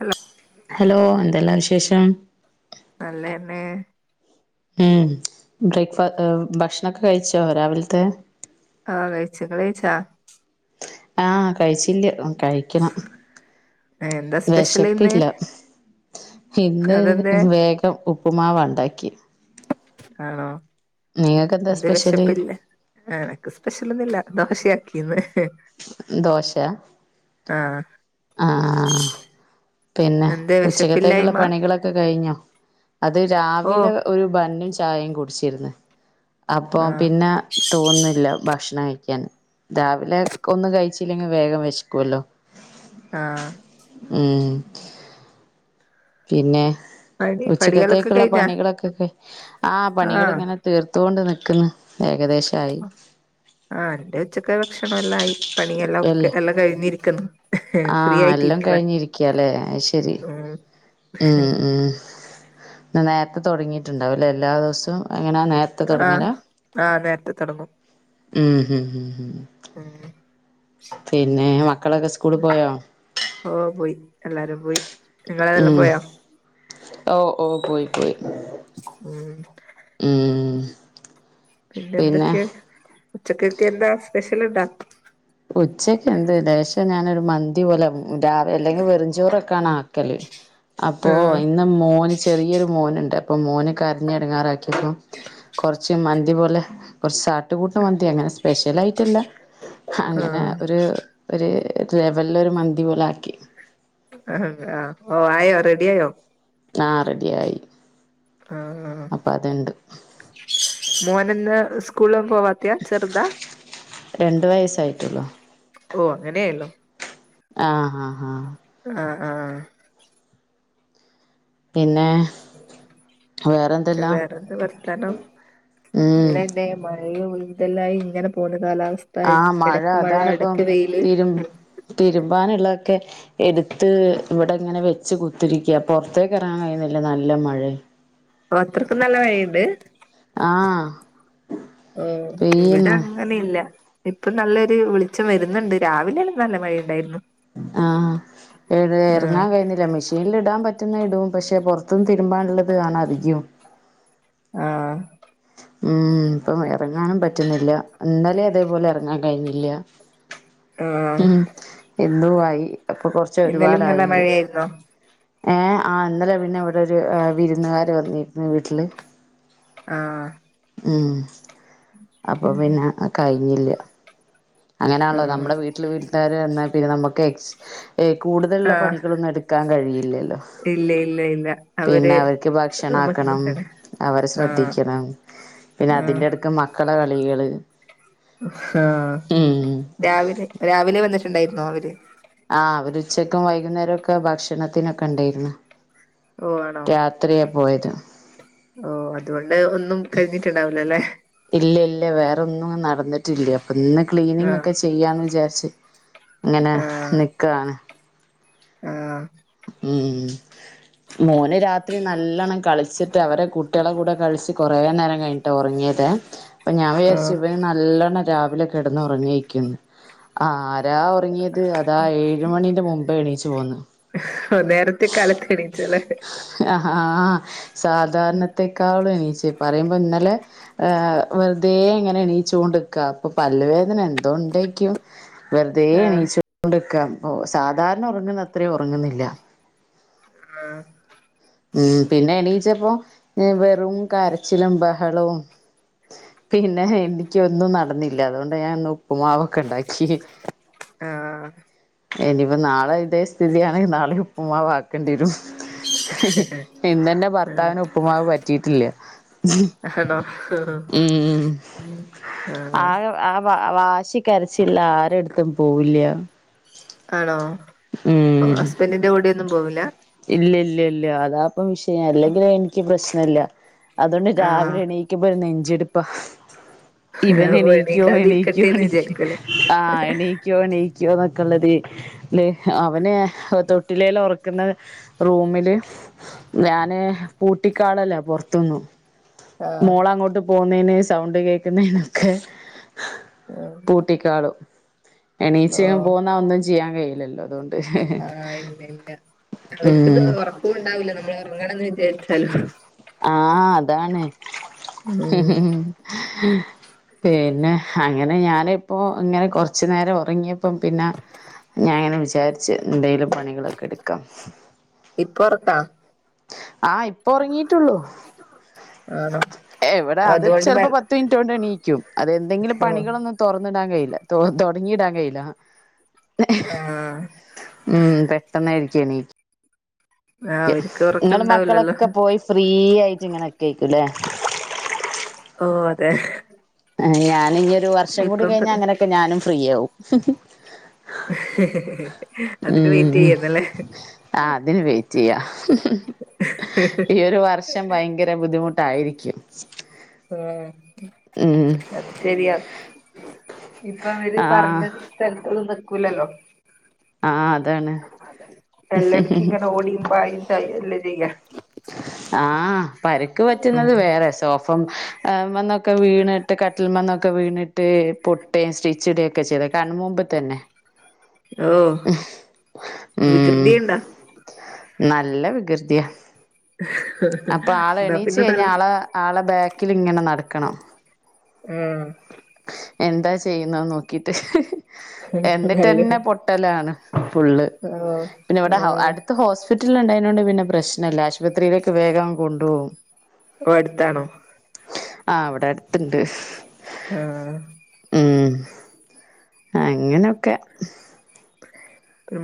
Hello hello എന്തെല്ല വിശേഷം നല്ലെന്നെ ഉം ബ്രേക്ക്ഫാസ് ഭക്ഷണൊക്കെ കഴിച്ചോ രാവിൽത്തെ ആ കഴിച്ചു ഇങ്ങള് കഴിച്ചാ ആ കഴിച്ചില്യ. കഴിക്കണം എന്താ സ്പെഷ്യൽ ഇന്ന് വെശപ്പ്ല്ല ഇന്ന് അതെന്തേ വേഗം ഉപ്പുമാവ് ഇണ്ടാക്കി ആണോ നിങ്ങൾക്ക് എന്താ സ്പെഷ്യല് വെശപ്പില്ലെ ആഹ് എനിക്ക് സ്പെഷ്യൽ ഒന്നുമില്ല ദോശയാക്കിന്ന് ദോശാ ആഹ് ആഹ് പിന്നെ എന്തേ ഉച്ചക്കത്തേക്കുള്ള വെശപ്പില്ലായ്മ പണികളൊക്കെ കഴിഞ്ഞോ അത് ഓ രാവിലെ ഒരു ബന്നും ചാ ചായയും കുടിച്ചിരുന്ന് അപ്പൊ ആഹ് പിന്നെ തോന്നുന്നില്ല ഭക്ഷണം കഴിക്കാന് രാവിലെ ക്കൊന്ന് കഴിച്ചില്ലെങ്കി വേഗം വിശക്കുവല്ലോ ആഹ് ഉം പിന്നെ പണി പണികളൊക്കെ ഉച്ചക്കത്തേക്കുള്ള കഴിഞ്ഞാ പണികളൊക്കൊക ആഹ് പണികള് ഇങ്ങനെ തീർത്തുകൊണ്ട് നിക്കുന്നു ഏകദേശം ആഹ് എന്റെ ഉച്ചക്ക് ഭക്ഷണം എല്ലാം ആയി പണിയെല്ലാക്കെ അല്ലേ എല്ലാം കഴിഞ്ഞിരിക്കുന്നു ആ ഫ്രീ ആയിട്ടി എല്ലാം ഇരിക്കലാ കഴിഞ്ഞിരിക്കല്ലേ അത് ശരി ഉം ഉം ഉം ഇന്ന് നേരത്തെ തുടങ്ങിയിട്ടുണ്ടാവുല്ലേ എല്ലാ ദിവസവും എങ്ങനാ നേ ആഹ് ആഹ് നേരത്തെ തൊടങ്ങും ഉം ഹും ഹും ഹും ഉം പിന്നെ മക്കളൊക്കെ സ്കൂളിൽ പോയോ ഓ പോയി എല്ലാരും പോയി നിങ്ങളേതെല്ലാം പോയാ ഓഹ് ഓഹ് പോയി പോയി ഉം ഉം പിന്നെ എന്തൊക്കെ ഉച്ചക്കൊക്കെ എന്താ സ്പെഷ്യലുണ്ടാ ഉച്ചക്ക് എന്ത് ലേശം ഞാനൊരു മന്തി പോലെ രാവിലെ അല്ലെങ്കിൽ വെറും ചോറൊക്കാണ് ആക്കല് അപ്പോ ആഹ് ഇന്ന് മോന് ചെറിയൊരു മോനുണ്ട് അപ്പൊ മോന് കരഞ്ഞ് എടങ്ങാറാക്കി [unintelligible] കൊർച്ച് മന്തി പോലെ കുറച്ച് ചാട്ട് കൂട്ട് മന്തി അങ്ങനെ സ്പെഷ്യലായിട്ടല്ല അങ്ങനെ ആഹ് ഒരു ഒരു ലെവലില് ഒരു മന്തി പോലെ ആക്കി ആഹാ ഓ ആയോ റെഡി ആയോ ആഹ് റെഡിയായി ആഹ് ആഹാ അപ്പൊ അതുണ്ട് മോന് ന്ന് സ്കൂളിൽ ഒന്നും പോവാത്തിയാ ചെറുതാ രണ്ട് വയസായിട്ടുള്ളു ഓഹ് അങ്ങനെയല്ലോ ആഹ് ആഹ് ഹാ ആഹ് ആഹ് ആഹ് പിന്നെ വേറെന്തെല്ലാം വേറെന്ത് വർത്താനം ഉം നല്ലേന്നേ മഴയും ഇതെല്ലായി ഇങ്ങനെ പോണ് കാലാവസ്ഥ ആഹ് മഴ എടക്ക് അതാണിപ്പം എടക്ക് വെയില് തിരു തിരുമ്പാനുള്ളതൊക്കെ എടുത്ത് ഇവിടെ ഇങ്ങനെ വെച്ച് കുത്തിരിക്ക പൊറത്തേക്ക് ഇറങ്ങാൻ കഴിയുന്നില്ല നല്ല മഴയാ ഓഹ് അത്രയ്ക്കും നല്ല മഴയുണ്ട് ആഹ് അഹ് പെയ്യുന്ന് ഇവിടങ്ങ് നെയില്ല ഇപ്പം നല്ലൊര് വെളിച്ചം വരുന്നുണ്ട് രാവിലെല്ല നല്ല മഴയുണ്ടായിരുന്നു ആ ഇവിടെ ആഹ് എറങ്ങാൻ കഴിയന്നില്ല മി ഷീൻല് ടാൻ പറ്റുന്ന ടും പക്ഷെ പൊർത്ത്ന്ന് തരുമ്പാള്ളത് ആണ് അധികും ആഹ് ഉം ഇപ്പം എറങ്ങാനും പറ്റുന്നില്ല ഇന്നലേം അതേപോലെ എറങ്ങാൻ കഴിഞ്ഞില്ല ആഹ് ഉം ഇന്നും ആയി അപ്പൊ കൊർച്ച് ഇന്നലും ഒരുപാടായിണ്ട് [unintelligible] ഏ ആ ഇന്നലെ പിന്നെ ഇവിടെ ഒരു വിരുന്നുകാര് വന്നിരുന്നു വീട്ടില് ആഹ് ഉം അപ്പൊ പിന്നെ കഴിഞ്ഞില്ല്യ. അങ്ങനേൺള്ളോ ആഹ് നമ്മുടെ വീട്ടില് വീട്ടുകാര് വന്നാ പിന്നെ നമുക്ക് എക്സ് ഏ കൂടുതലുള്ള ആഹ് പണികളൊന്നും എടുക്കാൻ കഴിയ് ല്ല്യല്ലോ ഇല്ല ഇല്ല ഇല്ല പിന്നെ അവര് അവര്ക്ക് ഭക്ഷണം നമുക്ക് ആക്കണം നോക്കണ്ട അവരെ ആഹ് ശ്രദ്ധിക്കണം. പിന്നെ ആഹ് അതിന്റെ എട്ക്ക് മക്കള കളികള്. ആ ഉം രാവിലെ രാവിലെ വന്നിട്ടുണ്ടായിര്ന്നോ അവര് ആ അവര് ഉച്ചക്കും വൈകുന്നേരം ഒക്കെ ഭക്ഷണത്തിനൊക്കെ ണ്ടായ്രുന്നു ഓ ആണോ രാ രാത്രിയാ പോയത്. ഓ അതുകൊണ്ട് ഒന്നും കഴ്ഞ്ഞിട്ടുണ്ടാവ് ല ലേ ഇല്ല്യ ഇല്ല്യ വേറൊന്നും നടന്ന് ട്ടില്ല അപ്പൊ ന്ന് ക്ലീനിങ് ആഹ് ഒക്കെ ചെയ്യാന്ന് വിചാര്ച്ച് ങ്ങനെ ആഹ് നിക്കാണ്. ആഹ് ഉം മോന് രാത്രി നല്ലണം കളിച്ച് ട്ട് അവരെ കുട്ടിളെ കൂടെ കളിച്ച് കൊറേ നേരം കഴിഞ്ഞിട്ടാ ഒറങ്ങിയതേ അപ്പൊ ഞാൻ വിചാര്ച്ചു ആഹ് ഇവന് നല്ലോണം രാവിലെ കെടന്ന് ഒറങ്ങേയ്ക്കുന്ന് ആരാ ഒറങ്ങിയത് അതാ ഏഴുമണിന്റെ മുമ്പേ എണീച്ച് പോന്ന്. ഒ നേരത്തെ കാലത്ത് എണീച്ചല്ലേ. അ ഹാ സാധാരണത്തെക്കാളും എണീച്ച് പറയുമ്പോ ഇന്നലെ ഏ വെർതേ ഇങ്ങനെ എണീച്ച് കൊണ്ട്ക്ക അപ്പൊ പല്ലുവേധനൺ അതുകൊണ്ടര്ക്കും വെർതേ ആഹ് എണീച്ച് ക്കൊണ്ട് ക്ക ഒ സാധാരണ ഒറങ്ങുന്ന അത്രയും ഒറങ്ങുന്നില്ല. ആഹ് ഉം പിന്നെ എണീച്ചപ്പോ എ വെറും കരച്ചിലും ബഹളവും പിന്നെ ഹെനിക്ക് ഒന്നും നടന്നില്ല അതുകൊണ്ട് ഞാന്നു ഉപ്പുമാവൊക്കെ ണ്ടാക്കി. ആഹ് ഇനിയിപ്പ നാളെ ഇതേ സ്ഥിതിയാണെങ്കി നാളീം ഉപ്പുമാവ് ആക്കേണ്ടി വരും. ഇന്നന്നെ ആഹ് ഭർത്താവിന് ഉപ്പുമാവ് പറ്റിയിട്ടില്ല. ആണോ ഉം ആഹ് ആകെ ആ വ വാശി കരച്ചില്ല ആരെട്ത്തും പോവില്ല്യ ആണോ ഒ ഹസ്ബന്റ്ന്റെ കൂടെ ഒന്നും പോവില്ല. ഇല്ല്യ ഇല്ല്യ ഇല്ല്യ അതാപ്പ വിഷയം അല്ലെങ്കില് എനിക്ക് പ്രശ്നം ല്ല്യ അതോണ്ട് രാവ് ആഹ് ലെ എണീക്കുമ്പ ഒരു നെഞ്ച്ടുപ്പാ. ഇവന് എണീക്കോ എണീക്കോ എണീക്കാതിരിക്കട്ടെന്ന് എണീക്കോ വിചാരിക്കുല്ലേ ആ എണീ ക്കോ എണീക്കോ ന്നൊക്കെള്ളതി ല് അവനേ തൊട്ടിലേല് ഒറക്കുന്ന റൂമില് ഞാന് പൂട്ടിക്കാളല്ലേ പൊർത്ത്ന്നു ആഹ് മോള് അങ്ങോട്ട് പോകുന്നതിന് സൗണ്ട് കേക്കുന്നതിനൊക്കെ ആഹ് കുട്ടിക്കാളും എണീച്ച് ഓഹ് പോകുന്ന ഒന്നും ചെയ്യാൻ കഴിയില്ലല്ലോ അതുകൊണ്ട്. ആഹ് ഇല്ല ഇല്ല അവർക്ക് ഇത് ഉം ഉറപ്പും ഉണ്ടാവില്ല. നമ്മൾ ഉറങ്ങണമെന്ന് വിചാരിച്ചാലോ ആഹ് അതാണ് ഉം പിന്നെ അങ്ങനെ ഞാനിപ്പോ ഇങ്ങനെ കൊറച്ചു നേരം ഉറങ്ങിയപ്പം പിന്ന ഞാന് ഇങ്ങനെ വിചാരിച്ച് എന്തെലും പണികളൊക്കെ എടുക്കാം. ഇപ്പൊറക്കാ ആഹ് ഇപ്പൊ ഉറങ്ങിട്ടുള്ളൂ ആണോ എവിടെ അത് അതുകൊണ്ട് മ ചിലപ്പോ പത്ത് മിനിറ്റ് കൊണ്ട് എണീക്കും അത് എന്തെങ്കിലും പണികളൊന്ന് തുറന്നിടാൻ കഴിയില്ല. തൊടങ്ങിയിടാൻ കഴിയില്ല ആഹ് ഉം പെട്ടെന്നായിരിക്കും എണീക് ആഹ് അവർക്ക് ഉറക്കം നിങ്ങള് ഉണ്ടാവില്ലല്ലോ മക്കളൊക്കെ പോയി ഫ്രീ ആയിട്ട് ഇങ്ങന നിക്കോയിക്കല്ലേ ഓ അതെ ഞാന് ഇനി ഒരു വർഷം കൂടി ഇപ്പം കഴിഞ്ഞ അങ്ങനെയൊക്കെ ഞാനും ഫ്രീയാവും. അതിന് ഉം വെയിറ്റെയ്യേന്നല്ലേ ആഹ് അതിന് വെയിറ്റെയ്യാ ഈ ഒരു വർഷ് ഷം ഭയങ്കര ബുദ്ധിമുട്ടായിരിക്കും ആഹ് ഉം അത് ശരിയാ ഇപ്പവര് ആഹ് പറഞ്ഞത് സ്ഥലത്തൊന്നും നിക്കൂലല്ലോ ആഹ് അതാണ് എല്ലാടുക്കെയും ഓടിയും പായും ചായും അല്ലെ ചെയ്യാ ആഹ് പരിക്ക് പറ്റ്ന്നത് വേറെ തോഫം മന്നൊക്കെ വീണിട്ട് കട്ടിൽ മെന്നൊക്കെ വീണിട്ട് പൊ ട്ടി സ്റ്റിച്ചിടയൊക്കെ ചെയ്ത് കൻമുമ്പി തന്നെ ഓഹ് ഉം വികൃതിയുണ്ട നല്ല വികൃതിയാ അപ്പൊ ആള് എന്നാ എണീച്ച് പിന്നെ നല്ല കഴിഞ്ഞാ ആള് ആളെ ബാക്കിലിങ്ങനെ നടക്കണം ഉം എന്താ ചെയ്യുന്നെന്ന് നോക്കീട്ട് നല്ല എന്നിട്ടെന്നെ പൊട്ടലാണ് ഫുള്ള് ആഹ് പിന്നെ വ്ടെ ആഹ് അടുത്ത് ഹോസ് പിറ്റല് ഉണ്ടായിനോണ്ട് പിന്നെ പ്രശ്നല്ല ആശുപത്രിയിലേക്ക് വേഗം കൊണ്ട്പോവും. ഓ അടുത്താണോ ആഹ് വ്ടെടുത്ത്ണ്ട് ആഹ് ഉം അങ്ങനൊക്കെ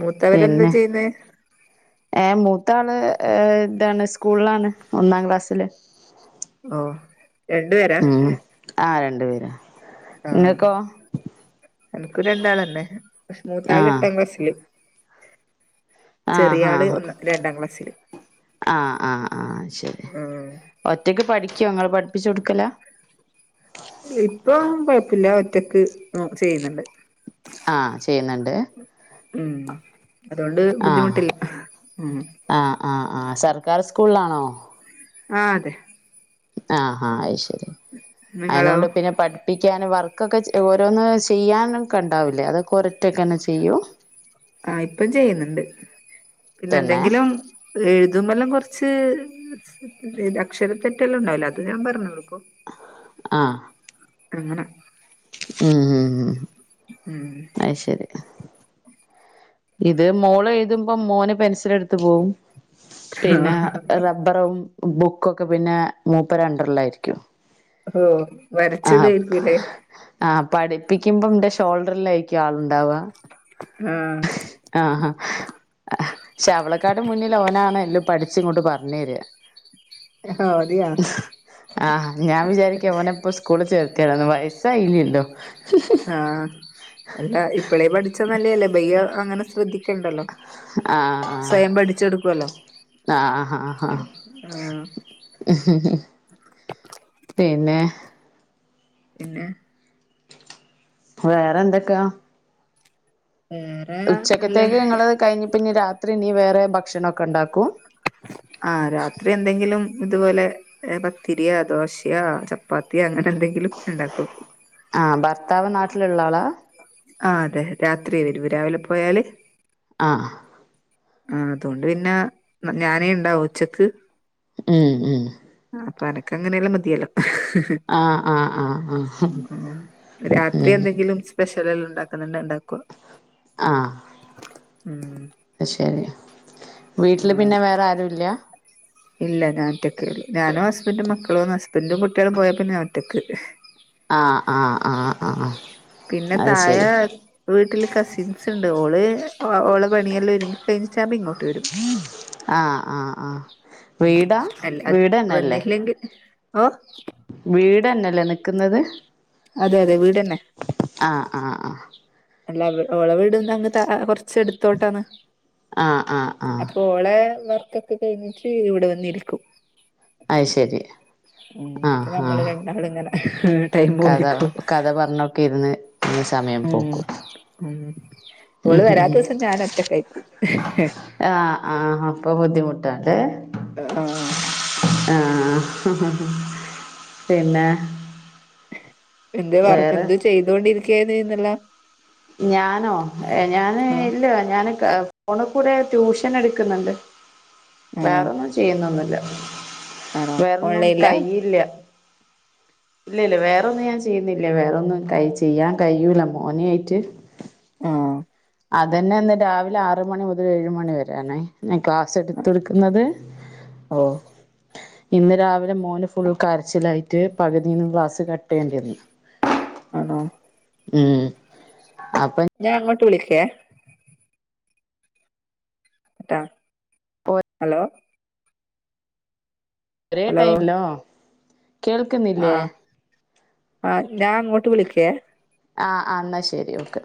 മൂത്തവനെന്താ പിന്നെ ചെയ്യുന്നേ ഏഹ് മൂത്താള് ഏ താണ് സ്കൂൾലാണ് ഒന്നാം ക്ലാസ്സില് ഓഹ് രണ്ടു പേരാ ഉം ആഹ് രണ്ട് പേരാ ആഹ് നിങ്ങക്കോ എനക്കും രണ്ടാളെന്നെ പ മൂത്താള് ആഹ് എട്ടാം ക്ലാസ്സില് ആഹ് ചെറിയ ആള് ആഹ് ഒന്ന് രണ്ടാം ക്ലാസ്സില് ആഹ് ആഹ് ആഹ് ശരി ആഹ് ഒറ്റയ്ക്ക് പഠിക്കോ ങ്ങള് പഠിപ്പിച്ചു കൊടുക്കലാ ഇല്ല ഇപ്പൊ കൊഴപ്പല്ല ഒറ്റക്ക് ചെയ്യുന്നുണ്ട് ആഹ് ചെയ്യുന്നുണ്ട് ഉം അതുകൊണ്ട് ആഹ് ബുദ്ധിമുട്ടില്ല ഉം ആഹ് ആഹ് ആഹ് സർക്കാർ സ്കൂള്ലാണോ ആഹാ അതെ. ആഹആഹാ അഹ് ശരി നിങ്ങളോ അയനോണ്ട് പിന്നെ പ- ഠിപ്പിക്കാനും വർക്കൊക്കെ ഓരോന്ന് ചെയ്യാനൊക്കെ ണ്ടാവില്ലേ, അതൊക്കോ രൊറ്റൊക്കെന്നെ ചെയ്യും. ആഹ് ഇപ്പം ചെയ്യുന്നുണ്ട്, തന്നെ പിന്നെന്തെങ്കിലും, എഴുതുമ്പെല്ലാം കൊറച്ച് അക്ഷര തെറ്റെല്ലാം ഉണ്ടാവില്ലേ, അത് ഞാൻ പറഞ്ഞു കൊടുക്കും. ആഹ്. അങ്ങനെ. ഉം ഉം ഉം. ഉം. അയ് ശരി. ഇത് മോള് എഴുതുമ്പോ മോന്- പെൻസിലെടുത്ത് പോവും, പിന്നെ റ- ബ്ബറും ബുക്കൊക്കെ പിന്നെ മൂപ്പരെണ്ടർലായിരിക്കും. ഓ വരച്ചിടേര്ക്കൂല്ലേ? ആഹ് പഠിപ്പിക്കുമ്പോന്റെ ഷോൾഡർലായിരിക്കും ആള്ണ്ടാവ. ആഹ്. ആഹ്. ശാവളക്കാട് മുന്നിലവനാണ് എല്ലും, പഠിച്ച്ങ്ങോട്ട് പറഞ്ഞേര. ആഹ് മതിയാ ആഹ് ഞാൻ വിചാരിക്കും ഓനെ പൊസ് - കൂളില് ചേർത്തിയാലോന്ന് വയസ്സായില്ലല്ലോ. ആഹ് അല്ല ഇപ്പളേ പഠിച്ച നല്ലേല്ലേ ബയ്യ അങ്ങനെ ശ്രദ്ധിക്ക. ണ്ടല്ലോ ആഹ് സ്വയം പഠിച്ചെടുക്കുവല്ലോ. ആഹ് ആഹ് ആഹ്. ആഹ് പിന്നെ. പിന്നെ. വേറെന്തൊക്കാ. ഉംഹ്. ഉച്ചക്കത്തേക്ക് ങ്ങൾ കഴിഞ്ഞ് പിന്നെ രാത്രി ഇനി വേറെ ഭക്ഷണക്കെ ഉണ്ടാക്കും. ആഹ് രാത്രി എന്തെങ്കിലും ഇതുപോലെ. ഏഹ് പത്തിരിയാ. ദോശയാ ചപ്പാത്തിയ അങ്ങനെ എന്തെങ്കിലും ഉണ്ടാക്കും. ആഹ് ഭർത്താവ് നാട്ടിലുള്ള ആളാ. ആഹ് അതെ രാത്രിയ വരു രാവിലെ പോയാൽ. ആഹ്. ആഹ് അതോണ്ട് പിന്നെ ഞാനേ ഉണ്ടാവു ഉച്ചക്ക്. ഉംഹ് ഉംഹ്. അപ്പൊ അനക്ക് എങ്ങനെയെല്ലാം മതിയല്ലോ. ആഹ് ആഹ് ആഹ് ആഹ് ഏഹ്. ങ്കിലും സ്പെഷൽ. ചെലോല്ണ്ടാക്ക്ണതന്നെ ഉണ്ടാക്കുക. ആഹ്. ഉംഹ്. ശരി, വീട്ടിൽ പിന്നെ വേറെ ആരു ഇല്ല്യ. ഇല്ല ഞാൻ ഒറ്റക്ക് ഞാനും ഹസ്ബൻഡും മക്കളും ഹസ്ബൻഡും കുട്ട്യാളും പോയപ്പം ഞാൻ ഒറ്റക്ക്. ആ് ആഹ്. ആഹ് ആഹ് പിന്നെ അത് ശരി താഴെ. വീട്ടില് കസിൻസ് ഉണ്ട്. ഓള് ഓളെ പണിയെല്ലാം ഒരുങ്ങി- കഴിഞ്ഞിട്ടാവുമ്പം ഇങ്ങോട്ട് വരും. ആഹ് ആഹ് ആഹ് വീടാ അല്ല അ വീട് വന്നില്ലെങ്കിൽ ഓ വീടെന്നല്ലേ നിക്ക്‌ന്നത് അതെ അതെ വീടെന്നെ ആഹ് ആഹ് അല്ലാ വീ ഓളെ വീട്ണ്ടങ് ത കൊർച്ച് ച്ചെടുത്തോട്ടാണ് ആഹ് ആഹ് ആഹ് ആഹ് അപ്പൊ വളെ വർക്കൊക്കെ കഴിഞ്ഞിട്ട് ഇവിടെ വന്നിരിക്കും അത് ശരി ഉം പ്പ ആഹ് നമ്മള് ആഹ് രണ്ടാളുങ്ങനെ ഒരു ടൈം കഥ പോലിക്കും കഥ പർഞ്ഞൊക്കെര്ന്ന് ഉം ഉം ഓള് വെരാത്തുസം ഞാൻ ഒറ്റക്കായി പോവും ആഹ് ആഹ് അപ്പോ ബുദ്ധിമുട്ടാല്ലേ ആഹ് ആ ആ പിന്നെ എന്ത് വറ് വേറെ എന്തോ ചെയ്തോണ്ടിരിക്കുകയന്ന്ല്ലോ ഞാനോ ഏ ഞാന് ആഹ് ഇല്ല ഞാന് ഫോണ് കൂടെ ട്യൂഷന്ട്ക്ക്‌ന്ന്ണ്ട് ആഹ് വേറൊന്നും ചെ ചെയ്യുന്നൊന്നുല്ല ആണോ വേറൊന്നും ഓൺലൈനിലാ കയ്ഞ്ഞില്ല ഇല്ല ല്ല വേറൊന്നും ഞാൻ ചെയ്യ്ന്നില്ല വേറൊന്നും കൈ ചെയ്യാൻ കയ്യ്ന്നില്ല മോനേയിട്ട് ആഹ് അതെന്നെ ന്ന് രാവിലെ ആറ് മണി മുതൽ ഏഴ് മണി വെരേണ് ഞാൻ ക്ലാസ്സെടുത്തൊടുക്കുന്നത് ഓ ഇന്ന് രാവിലെ മോന് ഫുൾ കര്ച്ചിലായിട്ട് പകുതിന്ന് ക്ലാസ്സ് കട്ടേയേണ്ടി വന്ന് [inaudible] ആണോ ഉം അപ്പൊ ഞാൻ അങ്ങോട്ട് വിളിക്കേ ട്ടോ ഹലോ ഇത്രേ ടൈമിലോ [unintelligible] ആ ആ ഞാ അങ്ങോട്ട് വിളിക്കെ ആ ആ ന്നാ ശെരി ഓക്കെ